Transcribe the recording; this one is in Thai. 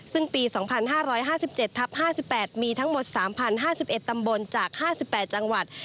ซึ่งปี๒๕๕๗ทับ๕๘มีทั้งหมด๓๐๕๑ตำบลจาก๕๘จังหวัด